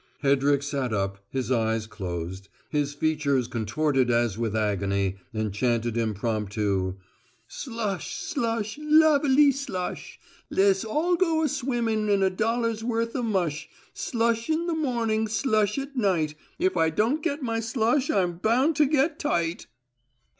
Hedrick sat up, his eyes closed, his features contorted as with agony, and chanted, impromptu: "Slush, slush, luv a ly, slush! Le'ss all go a swimmin' in a dollar's worth o' mush. Slush in the morning, slush at night, If I don't get my slush I'm bound to get tight!"